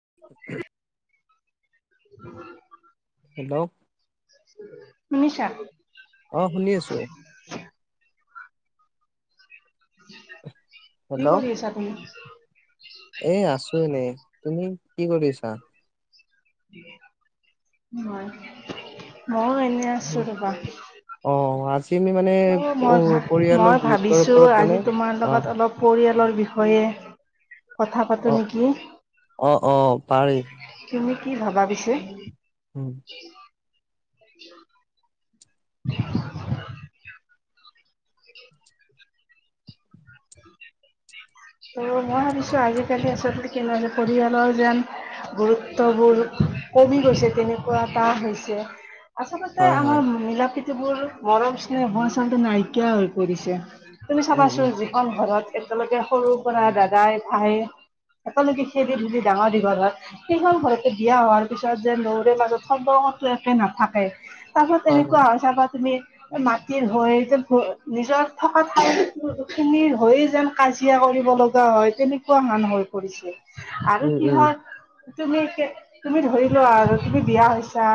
[unintelligible] [inaudible] Hello, শুনিছা? অহ, শুনি আছোঁ। কি হেল্ল' কৰি আছা তুমি? এ আছো এনেই তুমি কি কৰিছা [unintelligible] [unintelligible] হয়। মইয়ো এনে আছোঁ ৰবা। অ আজি আমি মানে অহ, মই ভা পৰিয়ালৰ মই গুৰুত্বৰ ভাবিছোঁ ওপৰত মানে আজি তোমাৰ অ লগত অলপ পৰিয়ালৰ বিষয় হয়ে কথা পাতো অ নেকি। অ অ পাৰি তুমি কি ভাবা পিছে? উম [unintelligible] [inaudible] উম, মই ভাবিছোঁ আজিকালি আচলতে [unintelligible] যেন পৰিয়ালৰ যেন গুৰুত্ববোৰ কমি উম গৈছে তেনেকুৱা এতা হৈছে আচলতে হয় আমাৰ হয় মিলা প্ৰীতি মিলা -প্ৰীতিবোৰ, মৰম -স্নেহ আচলতে নাইকিয়া হৈ পৰিছে তুমি উম চাবাছো উম যিখন ঘৰত একেলগে সৰু পৰা দাদাই ভাই একেলগে খেলি ধূলি ডাঙৰ দীঘলত। সেইখন ঘৰতে বিয়া হোৱাৰ পিছত যেন দৌৰ মাজত সম্পৰ্কতো একে নাথাকে। তাৰপিছত এনেকুৱা হয় তাৰ পৰা তুমি মাটিৰ হৈ একদম। নিজৰ থকা ঠাই খিনি হৈয়ে যেন কাজিয়া কৰি। লগা হয় তেনেকুৱা হান হৈ পৰিছে আৰু উম কি উম হয়। তুমি তুমি ধৰিলোৱা আৰু তুমি বিয়া হৈছা।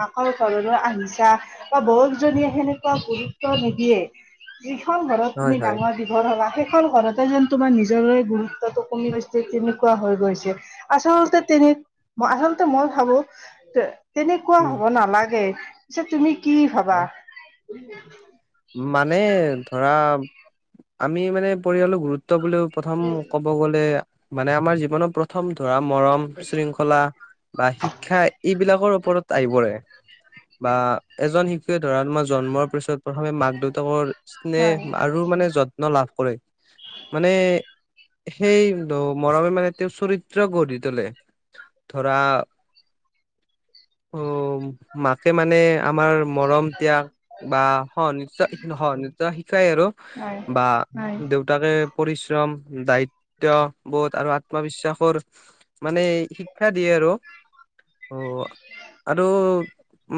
মাকৰ ঘৰলৈ আহিছা বা বৌকজনীয়ে সেনেকুৱা গুৰুত্ব নিদিয়ে। এইখন ঘৰত হয় তুমি হয় ডাঙৰ দীঘল হ'লা সেই। এইখন ঘৰতে যেন তোমাৰ নিজৰে গুৰুত্বটো কমি গৈছে তেনেকুৱা হৈ গৈছে আচলতে তেনেকুৱা। আচলতে মই ভাবোঁ যে। তেনেকুৱা উম হব নালাগে পিছেত তুমি কি ভাবা। মানে ধৰা আমি মানে পৰিয়ালৰ গুৰুত্ব। বুলি প্ৰথম ক'ব গ'লে মানে আমাৰ জীৱনৰ প্ৰথম ধৰা। মৰম শৃংখলা বা শিক্ষা এইবিলাকৰ। ওপৰত আহি পৰে বা এজন শিশুৱে ধৰা মই জন্মৰ পিছত। প্ৰথমে মাক দেউতাকৰ হয় স্নেহ আৰু মানে যত্ন লাভ কৰে মানে। সেই মৰমে মানে তেওঁ চৰিত্ৰ গঢ়ি তোলে। ধৰা অ মাকে মানে। আমাৰ মৰম ত্যাগ বা। নিশা এক নহয় নিশা শিকাই আৰু হয় বা হয় দেউতাকে পৰিশ্ৰম। দায়িত্ব বহুত আৰু। আত্মবিশ্বাসৰ মানে শিক্ষা দিয়ে আৰু। অ আৰু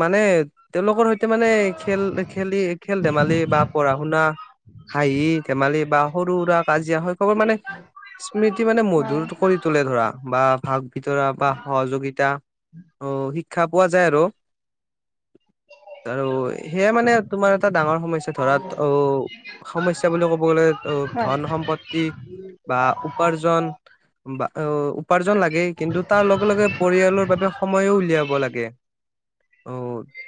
মানে তেওঁলোকৰ সৈতে মানে খেল। খেলি খেল ধেমালি বা পঢ়া শুনা। হাঁহি ধেমালি বা সৰু সুৰা কাজিয়া সেইচবে মানে। স্মৃতি মানে মধুৰ হয় কৰি তোলে ধৰা বা ভাগ ভিতৰা বা সহযোগিতা। অ শিক্ষা পোৱা যায় আৰু আৰু সেয়া মানে তোমাৰ এটা ডাঙৰ সমস্যা ধৰা অ সমস্যা বুলি ক'ব গ'লে অ হয় ধন সম্পত্তি বা উপাৰ্জন বা উপাৰ্জন লাগেই কিন্তু তাৰ লগে লগে পৰিয়ালৰ বাবে সময়ো উলিয়াব লাগে অ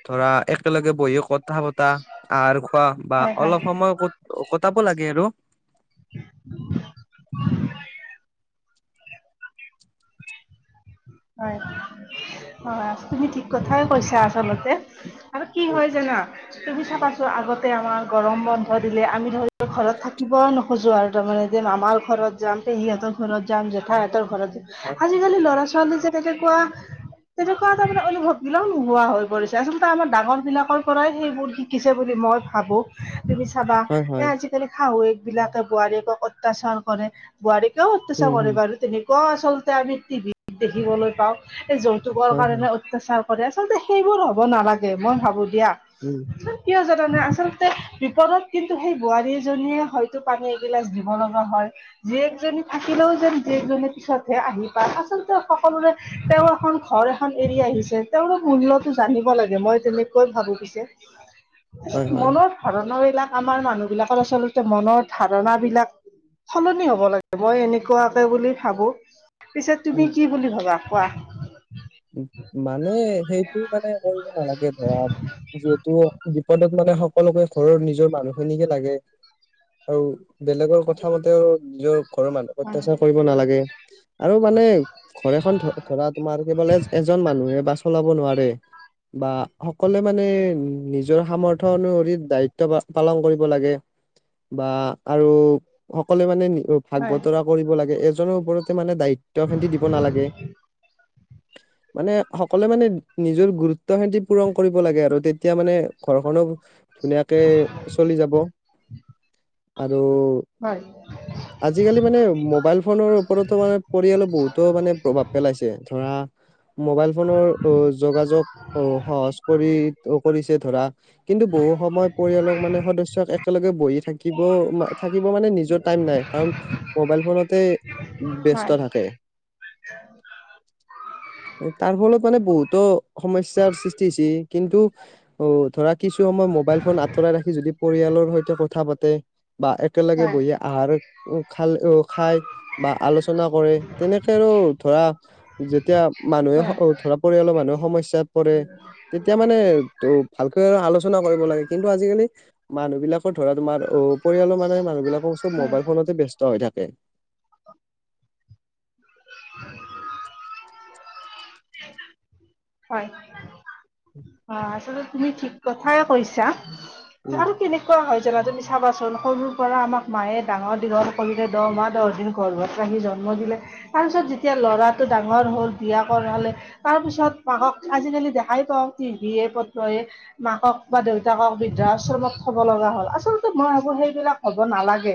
ধৰা একেলগে বহিও কথা আহাৰ খোৱা বা হয় হয় অলপ সময় কটাব লাগে আৰু [unintelligible] [inaudible] হয় হয় তুমি ঠিক উম কথাই কৈছা আচলতে আৰু কি উম হয় জানা তুমি চাবাছোন আগতে আমাৰ গৰম বন্ধ দিলে আমি ধৰি ঘৰত থাকিব ন খজো আৰু তাৰমানে এ যে আমাৰ ঘৰত যাম তে সিহঁতৰ ঘৰত যাম জেঠাইহঁতৰ ঘৰত [unintelligible] হয় আজিকালি ল'ৰা ছোৱালী যে তেনেকুৱা তেনেকুৱা এটা মানে অনুভৱ বিলাকও নোহোৱা হৈ পৰিছে আচলতে আমাৰ ডাঙৰ বিলাকৰ পৰাই সেইবোৰ শিকিছে বুলি মই ভাবো তুমি চাবা হয় এ হয় আজিকালি শাহুৱেক বিলাকে বোৱাৰীয়েকক অত্যাচাৰ কৰে বোৱাৰীক অত্যাচা উম কৰে হম বাৰু তেনেকুৱা আচলতে আমি টিভিত দেখিবলৈ পাওঁ এই যৌতুকৰ হয় হয় কাৰণে অত্যাচাৰ কৰে আচলতে সেইবোৰ হ'ব নালাগে মই ভাবো দিয়া উম কিয় যা আচলতে বিপদত কিন্তু সেই বোৱাৰীজনীয়ে হয়তো পানী এগিলাচ দিব লগা হয় জীয়েকজনী থাকিলেও যেন জীয়েকজনী পিছতহে আহি পায় আচল সকলোৰে তেওঁৰ এখন ঘৰ এখন এৰি আহিছে তেওঁলোক মূল্যটো জানিব লাগে মই তেনেকৈ ভাব পিছে হয় হয় মনৰ ধাৰণৰে এইলাক আমাৰ মানুহ বিলাকৰ আচলতে মনৰ ধাৰণা বিলাক সলনি হ'ব লাগে মই এনেকুৱাকে বুলি ভাবো তুমি উম কি বুলি ভাবা কোৱা মানে সেইটো মানে কৰিব নালাগে ধৰা যিহেতু বিপদত মানে সকলোকে ঘৰৰ নিজৰ মানুহখিনিকে লাগে আৰু বেলেগৰ কথা মতেও নিজৰ ঘৰৰ মানুহক অত্যাচাৰ কৰিব নালাগে আৰু মানে ঘৰ এখন ধৰা তোমাৰ কি বোলে মানুহে বা চলাব নোৱাৰে বা সকলোৱে মানে উ নিজৰ সামৰ্থ অনুসৰি দায়িত্ব পালন কৰিব লাগে বা আৰু সকলোৱ মানে নি ভাগ বতৰা হয়-হয়-হয়-হয়-হয়-হয়-হয়-হয় কৰিব লাগে এজনৰ ওপৰতে মানে দায়িত্ব খিনি দিব নালাগে মানে সকলোৱে মানে নিজৰ গুৰুত্ব হেইটি পূৰণ কৰিব লাগে আৰু তে এতিয়া মানে ঘৰখনো ধুনীয়াকে চলি যাব আৰু আজিকালি মানে মোবাইল ফোনৰ ওপৰতো মানে পৰিয়ালে বহুতো মানে প্ৰভাৱ পেলাইছে ধৰা মোবাইল ফোনৰ যোগাযোগ অ সহজ কৰি কৰিছে ধৰা কিন্তু বহু সময় পৰিয়ালক মানে সদস্য একেলগে বহি থাকিব থাকিব মানে নিজৰ টাইম নাই কাৰণ মোবাইল ফোনতে ব্যস্ত থাকে তাৰ ফলত মানে বহুতো সমস্যাৰ সৃষ্টি হৈছে কিন্তু অ ধৰা কিছু সময় মোবাইল ফোন আঁতৰাই ৰাখি যদি পৰিয়াল সৈতে কথা পাতে বা একেলগে বহি আহাৰ খাল খায় বা আলোচনা কৰে তেনেকে আৰু ধৰা যেতিয়া মানুহে ধৰা পৰিয়ালৰ মানুহে সমস্যাত পৰে তেতিয়া মানে ত ভালকৈ আৰু আলোচনা কৰিব লাগে কিন্তু আজিকালি মানুহ বিলাকৰ ধৰা তোমাৰ অ পৰিয়ালৰ মানে মানুহবিলাকক চব মোবাইল ফোনতে ব্যস্ত হৈ থাকে হয় অ আচলতে তুমি ঠিক কথাই কৈছা উম আৰু কেনেকুৱা হয়? জেগাটো তুমি চাবাচোন সৰুৰ পৰা আমাক মায়ে ডাঙৰ দিনৰ সৰুতে দহ মাহ দহ দিন ঘৰ ঘৰত ৰাখি জন জন্ম দিলে, তাৰপিছত যেতিয়া লৰাটো ডাঙৰ হ'ল বিয়া কৰালে তাৰপিছত মাক আজি দেখাই পাওঁ টিভি প্ৰত্ৰয়ে মাকক বা দেউতাকক বৃদ্ধা আশ্ৰমত থব লগা হ'ল আচলতে মইভাবো। সেইবিলাক হ'ব নালাগে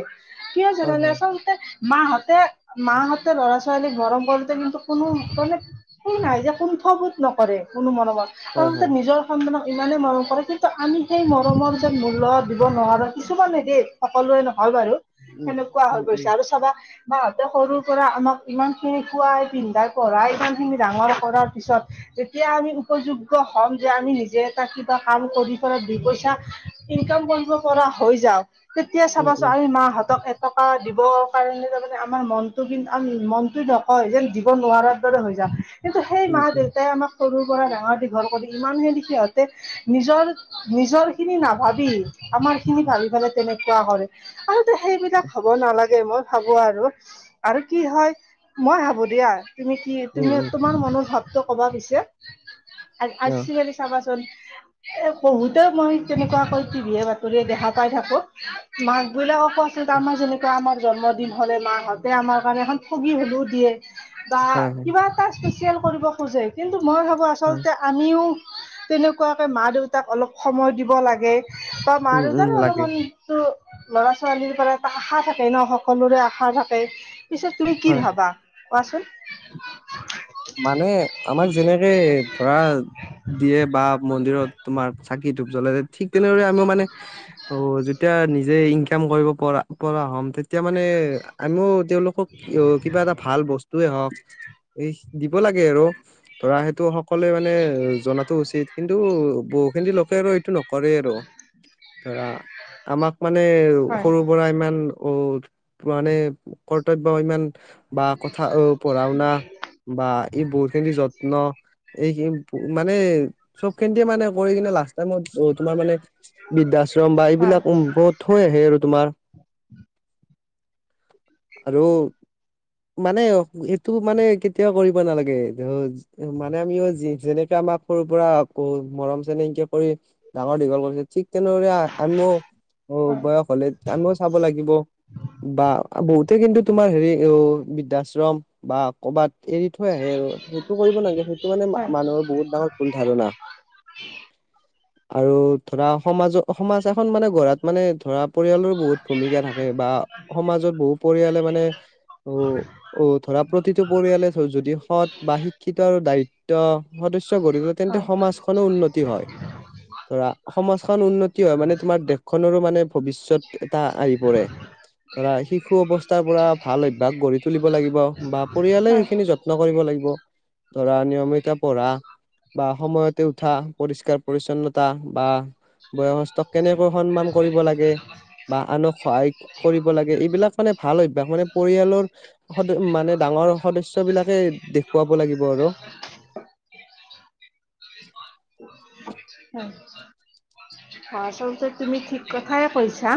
কিয় হয় যেনে হয় আচলতে মাহঁতে মাহঁতে ল'ৰা ছোৱালীক মৰম কৰোতে কিন্তু কোনো মানে কোনো নাই যে কোন। বোধ নকৰে কোনো মৰমত হয় আচলতে হয় নিজৰ সন্মান ইমানেই মৰম কৰে কিন্তু আমি সেই মৰমৰ যেন মূলত দিব নোৱাৰোঁ কিছুমান নিদেতো সকলোৱে নহয় বাৰু উম সেনেকুৱা হৈ উম গৈছে উম আৰু চাবা। বাহঁতে সৰুৰ পৰা আমাক ইমান খিনি খোৱাই পিন্ধাই পঢ়াই ইমান খিনি ডাঙৰ কৰাৰ পিছত তেতিয়া আমি উপযু হম যে আমি নিজে এটা কিবা কাম কৰি পেলাই দুই পইচা ইনকাম কৰিব পৰা হৈ যাও। তেতিয়া উম চাবাচোন উম আমি মাহঁতক এটকা দিব কাৰণে তাৰমানে আমাৰ মনটো কিন্তু আ মনটো নক যেন দিব নোৱাৰাৰ দৰে হৈ যাই কিন্তু সেই উম মা উম দেউতাই আমাক সৰুৰ পৰা ডাঙৰ দি ৰ কৰি ইমানখিনদি সিহঁতে নিজৰ নিজৰ খিনি নাভাবি আমাৰ খিনি ভাবি পেলাই। তেনেকুৱা কৰে আৰু সেইবিলাক হ'ব নালাগে। মই ভাবো আৰু আৰু কি হয় মই ভাবো দিয়া। তুমি কি উম, তুমি উম, তোমাৰ মনৰ ভাৱটো কবা পিছে অ', আজিকালি চাবাচোন। এ বহুতে মই তেনেকুৱাকৈ টিভিয়ে বাতৰিয়ে দেখা পাই থাকো মাক বিলাক ক আছিল আমাৰ যেনেকুৱা আমাৰ জন্মদিন হলে মাহঁতে আমাৰ কাৰণে এখন ফুগী হ'লেও দিয়ে। বা হয়, হয়, কিবা এটা স্পেচিয়েল কৰিব খোজে কিন্তু মই ভাবো আচল হয়, আমিও তেনেকুৱাকৈ মা দেউতাক অলপ সময় দিব লাগে। বা মাৰ উম, উম, দেউতাৰ লাগে অলপমানটো ল'ৰা ছোৱালীৰ পৰা এটা আশা থাকে ন সকলোৰে আশা থাকে। পিছেত তুমি কি হয়। ভাবা কোৱাচোন। মানে আমাক যেনেকে ধৰা। দিয়ে বা মন্দিৰত তোমাৰ চাকি ধুপ জ্বলাই ঠিক তেনেদৰে আমি মানে অ যেতিয়া নিজে ইনকাম কৰিব পৰা পৰা হম। এতিয়া মানে আমিও তেওঁলোকক কিবা এটা ভাল বস্তুৱে হওক এই দিব লাগে আৰু ধৰা সেইটো সকলোৱে মানে জনাতো উচিত কিন্তু বহুখিনি লোকে আৰু এইটো ন কৰে আৰু ধৰা আমাক মানে হয় সৰু পৰা ইমান অ মানে কৰ্তব্য ইমান বা কথা অ পঢ়া শুনা [inaudible] বা এই বহুত খিনি যত্ন এই মানে চব খিনিতে মানে পৰি কিনে লাষ্ট টাইমত তোমাৰ মানে বৃদ্ধাশ্ৰম বা হয় এইবিলাক বহুত থৈ আহে আৰু তোমাৰ আৰু মানে এইটো মানে। কেতিয়াও কৰিব নালাগে ধ মানে আমিও যেনেকে আমাক সৰু পৰা আকৌ মৰম চেনেহ হ। কৰি ডাঙৰ দীঘল কৰিছে ঠিক। তেনেদৰে আমিও অ হয় বয়স হলে আমিও চাব লাগিব বা। বহুতে কিন্তু তোমাৰ হেৰি অ বৃদ্ধাশ্ৰম বা কৰ'বাত এৰি থৈ আহে আৰু সেইটো কৰিব নালাগে সেইটো মানে মানুহৰ বহুত ডাঙৰ ভুল ধাৰণা। উ [inaudible] আৰু ধৰা সমাজ সমাজ এখন মানে গঢ়াত মানে ধৰা পৰিয়ালৰ বহুত ভূমিকা থাকে বা সমাজত বহু পৰিয়ালে মানে অ অ ধৰা প্ৰতিটো পৰিয়ালে যদি সৎ বা শিক্ষিতৰ দায়িত্ব সদস্য গঢ়িবটো‌ তেন্তে হয় সমাজখনো উন্নতি হয়। ধৰা সমাজখন উন্নতি হয় মানে তোমাৰ দেশখনৰো মানে ভৱিষ্যত এটা আহিব। ধৰা শিশু অৱস্থাৰ পৰা ভাল অভ্যাস গঢ়ি তুলিব লাগিব বা পৰিয়ালে হয় সেইখিনি যত্ন কৰিব লাগিব ধৰা নিয়মিত পঢ়া বা সময়তে উঠা পৰিষ্কাৰ পৰিচ্ছন্নতা বা বয়সস্থক কেনেকৈ সন্মান কৰিব লাগে বা আনক সহায় কৰিব লাগে এইবিলাক মানে ভাল অভ্যাস মানে পৰিয়ালৰ সদ মানে ডাঙৰ সদস্য বিলাকে দেখুৱাব লাগিব আৰু আ আচলতে তুমি ঠিক কথাই কৈছা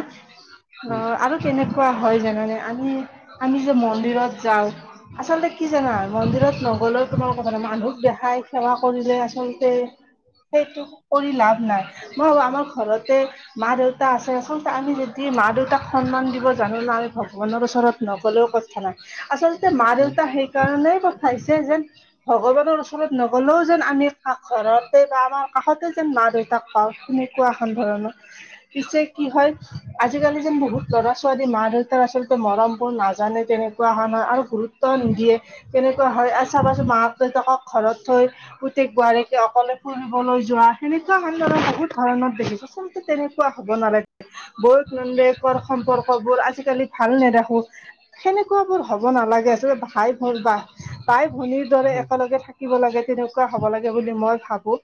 অ উম আৰু কেনেকুৱা হয় জানানে আমি আমি যে মন্দিৰত যাওঁ আচলতে কি জানা মন্দিৰত নগলেও তোমাৰ কথা নাই মানুহক দেখাই সেৱা কৰিলে আচলতে সেইটো কৰি লাভ নাই মই ভাবো আমাৰ ঘৰতে মা দেউতা আছে আচলতে আমি যদি মা দেউতাক সন্মান দিব জানিলে আমি ভগৱানৰ ওচৰত নগ'লেও কথা নাই আচলতে মা হয় দেউতা সেইকাৰণে খাইছে যেন ভগৱানৰ ওচৰত নগলেও যেন আমি কা ঘৰতে বা আমাৰ কাষতে যেন মা দেউতাক কা শুনি কোৱা এখন ধৰণত পিছে কি হয় আজিকালি যেন বহুত ল'ৰা ছোৱালী মা দেউতাৰ আচলতে মৰম বোৰ নাজানে তেনেকুৱা হয় নহয় আৰু গুৰুত্ব নিদিয়ে কেনেকুৱা হয় আৰু চাবাচোন মাক দেউতাক ঘৰত থৈ পুতেক বোৱাৰীকে অকলে ফুৰিবলৈ যোৱা সেনেকুৱা ভালদৰে বহুত কাৰণত দেখিছো আচলতে তেনেকুৱা হ'ব নালাগে বৌয়েক নন্দেকৰ সম্পৰ্ক বোৰ আজিকালি ভাল নেদখো সেনেকুৱা বোৰ হব নালাগে আছিল ভাই ভনী বা বাই ভনিৰ দৰে হয় একেলগে থাকিব লাগে তেনেকুৱা হব লাগে বুলি মই ভাবো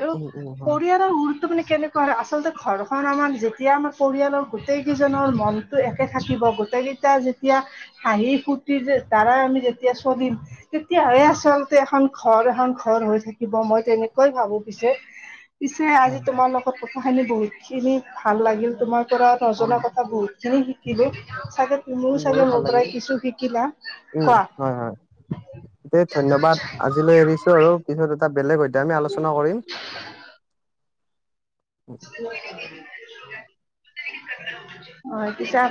আৰু উম উম হয় পৰিয়ালত কেনেকুৱা হয় আচলতে ঘৰখন আমাৰ যেতিয়া আমাৰ পৰিয়ালৰ গোটেই কেইজনৰ মনতো একে থাকিব গোটেই কেইটা যেতিয়া হাঁহি ফু্তি যে দ্বাৰা আমি যেতিয়া চলিম তেতিয়াহে আচল তে এখন ঘৰ এখন ঘৰ হৈ থাকিব মই তেনেকই ভাবো পিছে পিছে আজি হয় হয় তোমাৰ লগত কথা খিনি বহুত খিনি ভাল লাগিল তোমাৰ পৰা অ নজনা কথা বহুত খিনি শি শিকিলো চাগে তুমিও মোৰো চাগে ভাল মোৰ লাগিল পৰাই কিছু শিকিলা উম কোৱা হয় হয় দে ধন্যবাদ আজিলৈ এৰিছো আৰু পিছত এটা বেলেগ সৈতে আমি আলোচনা কৰিম অ পিছে